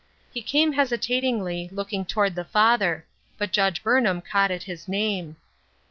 He came hesitatingly, looking toward the father ; but Judge Burnham caught at his name.